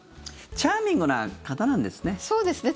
チャーミングな方なんですね。